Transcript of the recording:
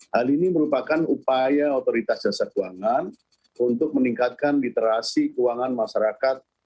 hal ini merupakan upaya otoritas jasa keuangan untuk meningkatkan literasi keuangan masyarakat